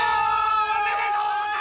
「おめでとうございます」